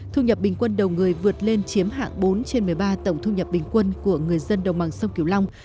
thu nhập bình quân đầu người vượt lên chiếm hạng bốn trên một mươi ba tổng thu nhập bình quân của người dân đồng bằng sông kiều long